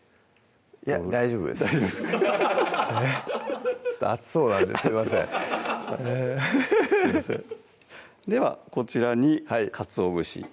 いや大丈夫です熱そうなんですいませんではこちらにかつお節